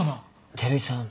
照井さん